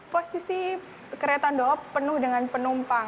posisi kereta doap penuh dengan penumpang